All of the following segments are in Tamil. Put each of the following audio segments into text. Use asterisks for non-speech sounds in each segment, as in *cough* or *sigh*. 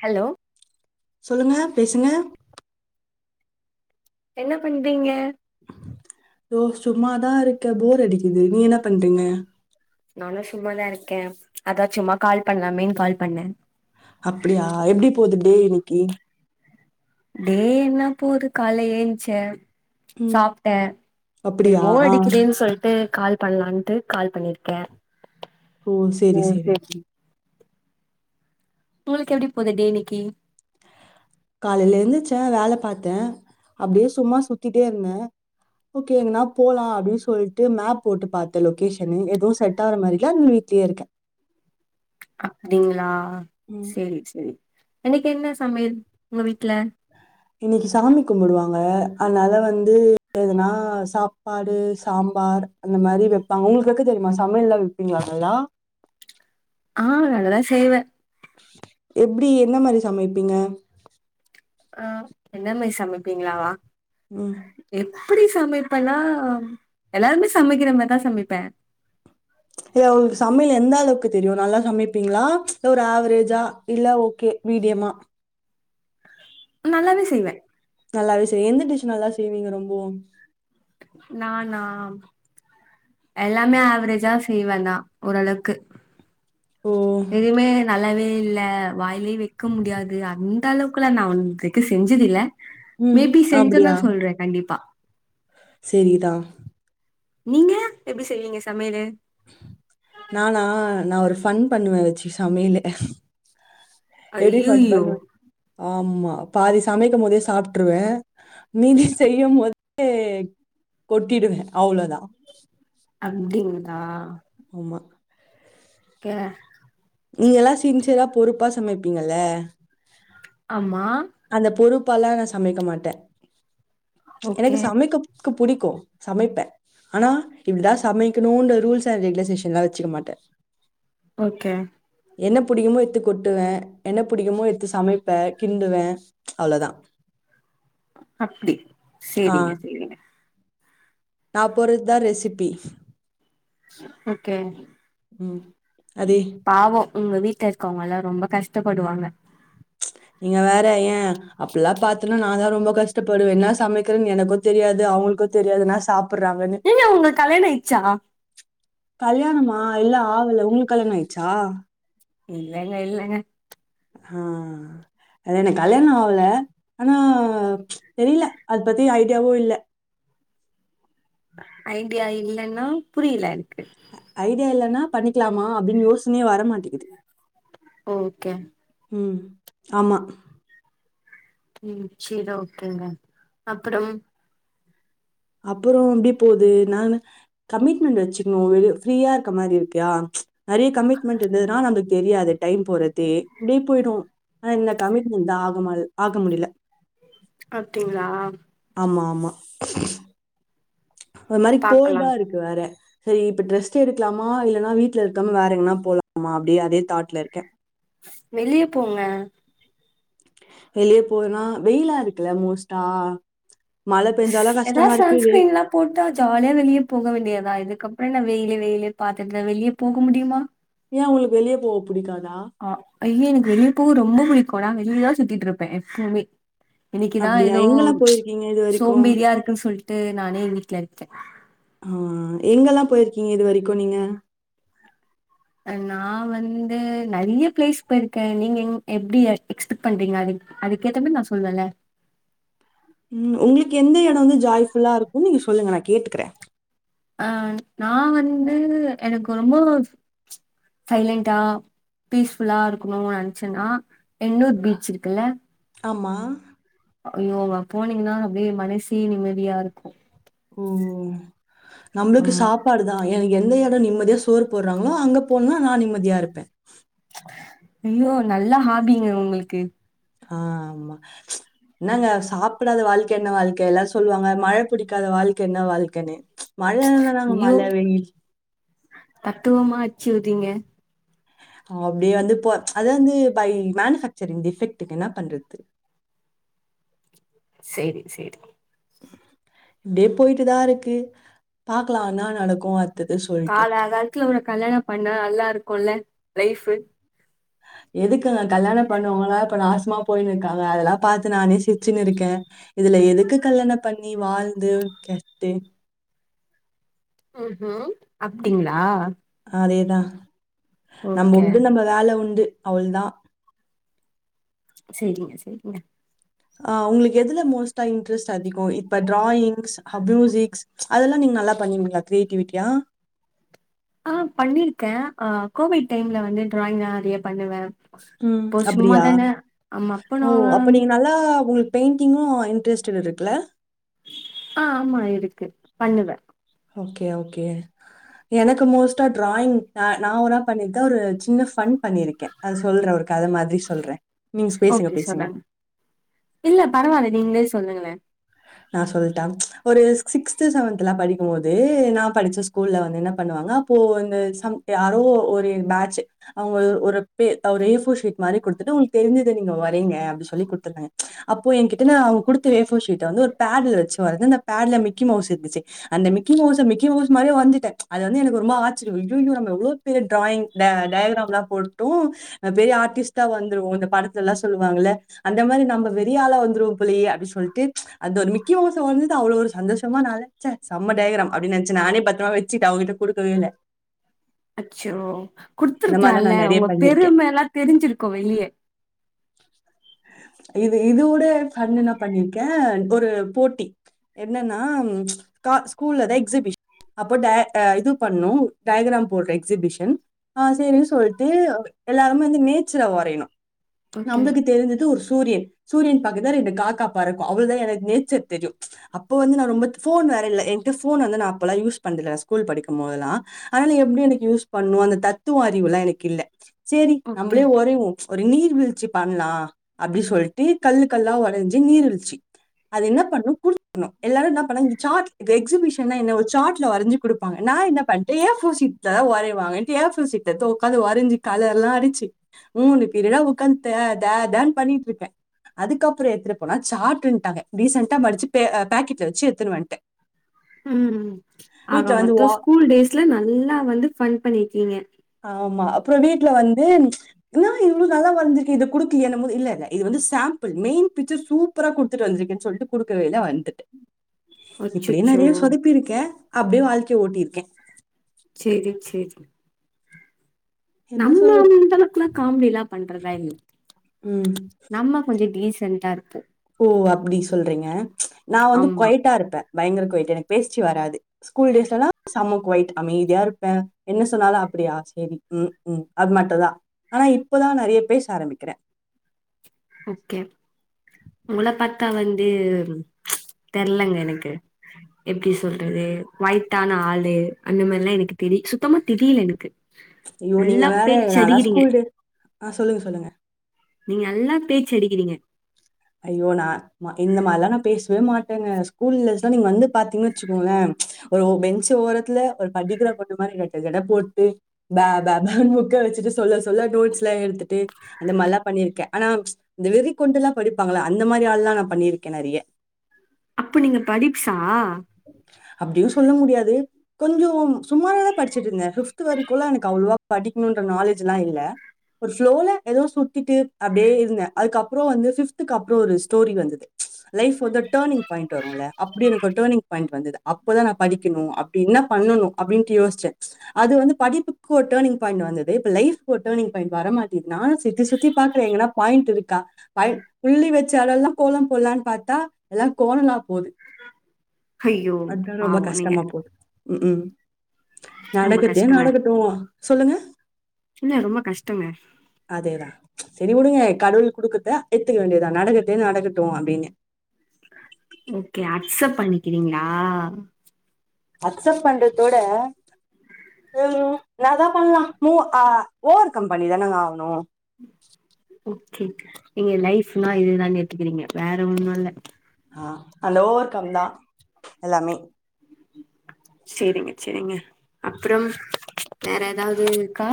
ஹலோ சொல்லுங்க பேசுங்க என்ன பண்றீங்க தோ சும்மாதா இருக்க போர் அடிக்குது நீ என்ன பண்றீங்க நானு‌ சும்மாதா இருக்கே அதாச் சும்மா கால் பண்லாமேன் கால் பண்ண அப்டியா எப்டி போது டே இன்னிக்கி டே என்ன போது கால ஏன்ச்ச ம் சாப்ட செரி அப்படியா போர் ஆ அடிக்குதேனு சொல்ட்டு கால் பண்லான்ட்டு கால் பண்ணிருக்கே ஓ செரி செரி உங்களுக்கு உங்ளுக் எப்டி போது டே இன்னிகி காலைல எந்துருசே வேல பாத்த அப்டியே சும்மா சுத்திட்டே இருந்த ஓகே எங்கனா போலா அப்டின் சொல்ட்டு மேஃப் போட்டு பாத்தே லொக்கேஷனு எதுவு செட் ஆர மாரி இல அதுனா வீட்லயே இருக்க அப்டிங்ளா செரி செரி அன்னைக்கு என்ன சமயல் உங்க வீட்ல இன்னைக்கி சாமி கும்டுவாங்க அன்னால வந்து எதுனா சாப்பாடு சாம்பார் அந்த மாரி வெப்பாங்க உங்ளுக் வெக்க தெரிமா சமயல்லா வெப்பீங்ளா நல்லா ஆஹ் நல்லா செய்வே எப்டி என்ன மாரி சமைப்பீங்க அஹ் என்ன மாரி சமப்பீங்களவா ம் இப் எப்டி சமைப்பனா எல்லாருமே சமைக்கிற மாரிதா சமைப்ப இல்ல உங்ளுக்கு சமயலு எந்த அளவுக்கு தெரியு நல்லா சமைப்பீங்ளா ல்ல ஒரு ஆவரேஜ்ஜா இல்ல ஓகே மீடியமா நல்லாவே செய்வே நல்லாவே செய்ய எந்த டிஷ் நல்லா செய்வீங்க ரொம்பவு நானா எல்லாமே ஆவரேஜ்ஜா செய்வந்தா ஒரளவுக்கு ஓ! எதுமே நல்லாவே இல்ல வாயிலே வெக்க முடியாது அந்த அளவுக்குலா நா வந் க்கு செஞ்சது இல்ல ம். மேபி அப்படியா? செஞ்சனா சொல்ற கண்டிப்பா செரிதா நீங்க எப்டி செய்வீங்க சமையலு நானா நா ஒரு ஃபன் பண்ணுவே வெச்சு சமையலு எப்டி ஃபன் ஐய்யய்யோ பண்வ ஆமா பாதி சமைக்கும் போதே சாப்ட்ருவே மீதி செய்யும்போதே கொட்டிடுவே அவ்ளொதா அப்டிங்ளா உமா கே நீங்கலா சின்சியரா பொறுபா சமைபீங்கல ஆமா அந்த பொறுபாலா நா சமைக்க மாட்டே ச் எனக்கு ஓகே சமைக்க இ புடிக்கு சமைப்பேன் ஆனா இப்டிதான் சமைக்கணும்ன்ற ரூல்ஸ் அண்ட் ரெகுலேஷன்ல்லா வச்சுக்க மாட்டே ஓகே என்ன புடிக்குமோ எத்துக் கொட்டுவே என்ன புடிக்குமோ எத்து சமை ப்பே கின்டுவே அவ்ளோதா அப்டி சேரிங்க சேரிங்க நான் போர்ரதா ரெசிபி ஓகே ம் அதே பாவோ உங்க வீட்ல இருக்கவங்கல்லா ரொம்ப கஷ்டபடுவாங்க நீங்க வேற ஏ அப்பல்லா பாத்தன்னா நா தா ரொம்ப கஷ்டப்படுவே என்னா சமைக்கிறேனு எனக்கு தெரியாது அவுங்களுக்கு தெரியாது நா சாப் நீங்க உங்க கல்யாண ஆயிச்சா கல்யாணமா இல்ல ஆவல உங்களுக்கு கல்யாணம் ஆயிடுச்சா இல்லங்க இல்லங்க ஆஹ் அத என்க் கல்யாணம ஆவல ஆனா ச் தெரியல அத பத்தி ஐடியாவும் இல்ல ஐடியா இல்லன்னா புரில ஐடியா இல்லனா பண்ணிக்கலாமா அப்டின்னு யோசனையே வர மாட்டிக்கிது ஓகே ம் ஆமா ம் சரி ஓகேங்க அப்புறம் அப்பறோ எப்டி போகுது நானு கமிட்மெண்ட் வச்சுக்கணும் ஒரு *unintelligible* ஃப்ரீயா இருக்க மாரி இருக்கா ச் நெறைய கமிட்மெண்ட் இருந்ததுன்னா நமக்கு தெரியாது டைம் போறது அப்டியே போயிடும் ஆனா இந்த கமிட்மெண்ட் தா ஆகமா ஆக முடில அப்டிங்ளா ஆமாமா அது மாரி பாக்கலா கோல்டா இருக்கு வேற சரி இப்போ டிரெஸ்ட் எடுக்கலாமா இல்லன்னா வீட்ல இருக்காம வேற எங்கனா போலாம அப்டியே அதே தாட்ல இருக்கே வெளிய போங்க வெளிய போறதுனா வெயிலா இருக்குல்ல மோஸ்டா ஏதாவது சன்ஸ்கிரீன்லா போட்டா ஜாலியா வெளிய போக வேண்டியதா இதுக்கு அப் ப்பற வெயிலு வெயிலு பாத்துட்டுறு வெளிய போக முடியுமா ஏ உங்களுக்கு வெளிய போக புடிக்காதா? ஆஹ் ஐய்ய எனக்கு வெளிய போக ரொம்ப புடிக்கு நா வெளிலதான் சுத்திட்டு இருப்பே எப்பவுமே இன்னைக்குதா அப்படியா? ஏதோ எங்கெல்லாம் ச் போயிருக்கீங்க இதுவரைக்கும்? சோம்பேரியா இருக்குன்னு சொல்ட் டு நானே வீட்ல இருக்கே ஆஹ் எங்கெல்லா போயிருக்கீங்க இது வரைக்கு நீங்க நான் வந்து நெறய பிளேஸ் போயிருக்கே நீங்க எப்படி எக்ஸ்பெக்ட் பண்றீங்க அது அதுக்கேத்த மாரி நா சொல்வலே உம் உங்களுக்கு எந்த இடம் வந்து ஜாய்ஃபுல்லா இருக்கு நீங்க சொல்லுங்க நான் கேட்டுக்கறே அஹ் நாவந்து எனக்கு ரொம்ப சைலண்டா பீஸ்ஃபுல்லா இருக்கணும்னு நினைச்சேன்னா எண்ணூர் பீச் இருக்குல்ல ஆமா ஐயோ அங்க போனீங்கன்னா அப்டியே மனசே நிம்மதியா இருக்கு ஓஹோ நம்மளுக்கு ஆமா சாப்பாடு தா எனக்கு எந்த நிம்மதியா சோறு போடுறாங்களோ அங்க போனு நா நிம்மதியா இருப்பே ஐயோ நல்ல ஹாபிங்க உங்களுக்கு ஆஹ் ஆமா என்னங்க சாப்பிடாத வாழ்க்க என்ன வாழ்க்க எல்லா சொல்லுவாங்க மழ பிடிக்காத வாழ்க்க என்ன வாழ்க்கனு மழ வந்தானாங்க ஐயோ மழ வெயில் தத்துவமா அடிச்சுவிட்றிங்க அப்டியே வந்து போ அத வந்து பை மேனுபேக்சரிங் டிஃபெக்டு என்ன பண்றது செரி செரி இப்டியே போயிட்டுதா இருக்கு பாக்கலா என்னா நடக்கு காலா காலத்துல ஒரு கல்யாண பண்ணா நல்லா இருக்குல லைஃப் எதுக்கு கல்யாண பண்ணுனவங்கன இப்ப நாசமா போயின்னு இருக்காங்க அதெல்லா பாத்து நானே சிரிச்சுனு இருக்கே இதுல எதுக்கு கல்யாணம் பண்ணி வாழ்ந்து கெட்டு ம்ஹ்ம் அப்டிங்களா அதேதா நம்ம ஓகே உண்டு நம்ம வேல உண்டு அவள்தா செரிங்க செரிங்க ஆஹ் உங்களுக்கு எதுல மோஸ்ட்டா இன்ட்ரெஸ்ட் அதிக இப்ப டிராயிங்ஸ் மியூசிக்ஸ் அதெல்லா நீங்க நல்லா பண்ணுவீங்களா கிரியேட்டிவிட்டியா ஆஹ் பண்ணிருக்கே ஆஹ் கோவிட் டைம்ல வந்து டிராயிங் நா நெறைய பண்ணுவே உஹ்ம் அப்டியா ஆமா அப்போ ஓ அப்ப நான் நீங்க நல்லா உங்களு பெயிண்டிங்கு இன்ட்ரெஸ்டட் இருக்குல ஆஹ் ஆமா இருக்கு பண்ணுவ ஓகே ஓகே எனக்கு மோஸ்ட்டா டிராயிங் நா என பண்ணியிருக்கே ஒரு சின்ன ஃபண் பண்ணிருக்கே அது சொல்றே ஒரு கத மாதிரி சொல்றே நீங்க பேசுங்க ஓகே பேசுங்க சொல்லுங்க சொல்லுங்களே நான் சொல்ட்டா ஒரு சிக்ஸ்த் செவன்த்லா படிக்கு போது நா படிச்ச ஸ்கூல்ல வந்து என்ன பண்ணுவாங்க அப்போ இந்த யாரோ ஒரு பேட்ச் அவங்க ஒரு ஒரு ஏபோர்ஷீட் மாரி குடுத்துட்டு உங்களுக்கு தெரிஞ்சத நீங்க வர ங்க அப்டி சொல்லி குடுத்துடாங்க அப்போ எனக்கு அவங்க குடுத்த ஏஃபோர் ஷீட்ட வந்து ஒரு பேடுல வச்சு வரஞ்ச அந்த பேட்ல மிக்கி மவுஸ் இருந்துச்சு அந்த மிக்கி மவுச மிக்கி மவுஸ் மாரியே வரஞ்சுட்டே அது வந்து எனக்கு ரொம்ப ஆச்சுர்ய அய்யய்யோ நம்ம எவ்வளோ பெரிய டிராயிங் டயகிராம்லா போட்டு பெரிய ஆர்டிஸ்டா வந்துரூவோ இந்த படத்துலலா சொல்லுவாங்கல்ல அந்த மாரி நம்ம பெரிய ஆளா வந்துருவோம் போலயே அப்டின்னு சொல்லிட்டு அது ஒரு மிக்கிமவ்ஷ் வரஞ்சது அவ்வளவு ஒரு சந்தோஷமா நா நெனச்ச செம்ம டயகராம் அப்டின்னு நெனச்சு நானே பத்தரமா வச்சுட்டே அவங்கிட்ட கொடுக்கவே இல்ல அச்சோ இந்த மாரிலா நா குடுத்துருக்கலாம்ல நெறய உங்க பண்ணிருக்கே பெருமை எல்லாம் தெரிஞ்சிருக்கும் வெளிய இது இதோட ஃபண்ணு என்ன பண்ணிருக்கே ஒரு போட்டி என்னன்னா ஸ்கூல்ல தா எக்ஸிபிஷன் அப்போ டய இது பண்ணு டயகிராம் போடுற எக்ஸிபிஷன் ஆஹ் சரின்னு சொல்ட்டு எல்லாருமே வந்து நேச்சர வரயணு ஓகே நம்மளுக்கு தெரிஞ்சது ஒரு சூ சூரியன் சூரியன் பக்கத்ல ரெண்டு காக்கா பறக்கு அவளோதா எனக் நேச்சர் தெரியு அப்போ வந்து நா ரொம்ப ஃபோன் வேற இல்ல என்ட்ட ஃபோன் வந்து நா அப்பல்லா யூஸ் பண்ணதில்ல ஸ்கூல் படிக்கும்போதெல்லா ஆனாலு எப்டி எனக்கு யூஸ் பண்ணு அந்த தத்துவ அறிவுலா எனக்கு இல்ல சேரி ஓகே நம்பளே வொரையுவோ ஒரு நீர்வீழ்ச்சி பண்லா அப்டி சொல்ட்டு கல்லு கல்லா ஒடஞ்சி நீர்வீழ்ச்சி அது என்ன பண்ணு குடுக்குனு எல்லாரு என்ன பண்ணாங்க சார்ட் இப்ப எக்ஸிபிஷன்னா என்ன ஒரு சார்ட்ல வரைஞ்சி குடுப் பாங்க நா என்ன பண்ட்ட ஏ ஃபோர் ஷீட் லதா வரைவாங்கன்ட்டு ஏ ஃபோர் சீட்ட எடுத்து உக்காந்து வரைஞ்சு கலர்லா அடிச்சு மூணு பீரியடா உக்காந்து தே தே தேன் பண்ணிட்ருக்க அதுக்கப்புறோ எடுத்துட்டு போனா சாட்டுன்ட்டாங்க டீசன்ட்டா மடிச்சு பேக்கெட்ல வச்சு எடுத்துன்னு வந்துட்டேன் ம் வீட்டுல ஆக வந்து மொத்த வா ஸ்கூல் டேஸ்ல நல்லா வந்து ஃபன் பண்ணிருக்கிங்க ஆமா அப்றோ வீட்ல வந்து என்னா இவ்ளோ நல்லா வரைஞ்சிருக்கே இத குடுக்கலியானம் போது இல்ல இது வந்து சாம்பிள் மெயின் பிச்சர் சூப்பரா குடுத்துட்டு வந்திருக்கேன்னு சொல்ட்டு குடுக்கவே இல்ல வந்துட்ட இப்டியே அச்சச்சோ நெறையா சொதப்பிருக்கே அப்டியே வாழ்க்க ய ஓட்டிருக்க சேரி சேரி என்ன நம்ம சொல்லு இந்தளவுக்குலா காமெடிலா பண்றதா இல்ல ம் நம்ம கொஞ்ச டீச ன்ட்டா இருப்போ ஓ அப்டி சொல்றிங்க நா வந்து ஆமா கொய்ட்டா இருப்ப பயங்கர கொய்ட்டு எனக்கு பேஸ்ச்சி வராது ஸ்கூல் டேஸ்லலா சம கொய்ட் அமைதியா இருப்பே என்ன சொன்னாலு அப்டியா அ சேரி ம் ம் அது மட்டுதா ஆனா இப்பதா நறைய பேச ஆரம்பிக்கிற ஓகே உங்கள பாத்தா வந்து தெர்லங்க எனக்கு எப்டி சொல்றது கொய்ட்டான ஆளு அந்த மாரிலா எனக்கு தெரிய சுத்தமா தெரிய்ல எனக்கு ஐயோ நீங்க நல்லா வேற பேச்சு நாலா அடிக்கிறீங்க ஸ்கூல்டே அ சொல்லுங்க சொல்லுங்க நீங் நல்லா பேச்சு அடிக்கிறீங்க ஐயோ நா இந்த மார்லா நா பேஸ்வே மாட் ஸ்கூல் டேஸ்ல நீங்க வந்து பாத்தீங்கன்னு வச்சுக்கோங்களே ஒரு பெஞ்சு ஓரத்ல ஒரு படிக்கிற பொண்ணு மாரி ரெட்ட ஜட போட் பே பே பேன் ஃபுக்க வெச் சிடு சொல்ல சொல்ல நோட்ஸ்லா எடுத்துட்டு அந்த மார்லா பண்ணிர்க்க அனா இந்த வெறி கொண்டுலா படிப்பாங்களா அந்த மாரி ஆள்ளா நா பண்ணிருக்க நறிய அப்பு நீங்க படிப்சா அப்டியு சொல்ல முடியாது கொஞ்சோ சுமாரா தா படிச்சுட்ருந்த ஃபிப்த் வரிக்குலா எனக்கு அவ்ள்வா படிக்கணும்ன்ற நாலேஜ் எல்லா இல்ல ஒரு ஃப்ளோல எதோ சுத்திட்டு அப்டடே இருந்த அதுக்கப்புற வந்து ஃபிப்த் துக்கு அப்றோ ஒரு ஸ்டோரி வந்தது லைஃப் வந்து டோனிங் பாயிண்ட் வரும்ல அப்டி எனக்கு ஒரு டோனிங் பாயிண்ட் வந்தது அப்பதா நா படிக்கிணு அப்டின்ன பண்ணனு அப்டின்டு யோசிச்சே அது வந்து படிப்புக்கு ஒரு டோனிங் பாயிண்ட் வந்தது இப்ப லைஃப்கு ஒரு டோனிங் பாயிண்ட் வர மாட்டிது நானு சுத்தி சுத்தி பாக்குற எங்கனா பாயிண்ட் இருக்கா பா புள்ளி வச்ச எடல்லா கோலம் போட்லான் பாத்தா எல்லான் கோனலா போது ஐயோ அது தா ரொம்ப பாவோ நீங்க கஷ்டமா போது ம் ம் ரொம்ப நடகத்தே கஷ்டங்க நடகட்டு சொல்லுங்க இல்ல ரொம்ப கஷ்டங்க அதேதா செரி உடுங்க கடவுள் குடுக்கத்த ஏத்துக்க வேண்டியதா நடக்கத்தே நடக்கட்டு அப்டின்னு ஓகே அக்சப்ட் பண்ணிக்கிறீங்களா அக்சப்ட் பண்றதோட உம் வேறதா பண்லா ம் ஆ ஓவர்கம் பண்ணி தானங்க ஆகணு ஓகே நீங்க லைஃப்னா இதுதா ஏத்துக்கிறீங்க வேற ஒன்னுல்ல அ அதுல ஓவர்கம் தா எல்லாமே சேரிங்க செரிங்க அப்றம் வேற எதாவது இருக்கா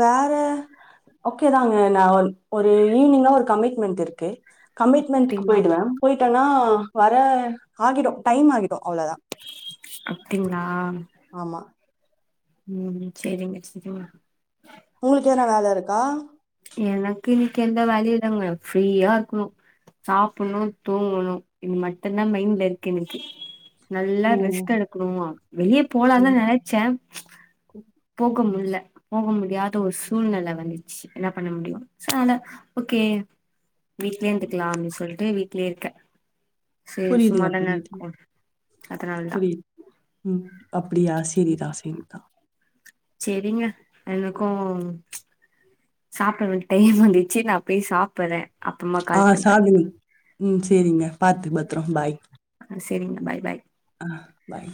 வேற ஓகேதாங்க நா வன் ஒரு ஈவினிங்கா ஒரு கமிட்மெண்ட் இருக்கு கமிட்மெண்டுக்கு அப்டிங்களா போயிடுவே போய் டெலா வர ஆகிடு டைம் ஆகி அப்டிங்களா ஆமா ம் செரிங்க செரிங்க உங்களுக்கு எதனா வேல இருக்கா எனக்கு இன்னிக்கு எந்த வேலயு இல்லங்க ஃப்ரீயா இருக்குணு சாப்புட்ணு தூங்குணு இது மட்டுந்தா மைண்ட்ல இருக்கு எனக்கு நல்லா ஓ ரெஸ்ட் எடுக்குணுமா வெளியே போலான் தா ம் நெனச்ச குமுல்ல போக முடியாத ஒர் சூழ்நெல வந்துச்சு என்ன பண்ண முடியு சோ அனால ஓகே வீட்லே இருந்துக்லா அப்டின் சொல்ட்டு வீ ட்லே இருக்க புரியுதுங்க புரியுதுங்க அதனாலதா புரியுது உம் அப்டியா செரிதா செரிதா செரிங்க எனக்கும் சாப்ட்டுற டைம் வந்திச்சு நா போய் சாப்புட்ற ஆ சாப்டு நீ உம் சேரிங்க பாத்து பத்ரோ பாய் சேரிங்குங்க பாய் பாய் அஹ் பாய்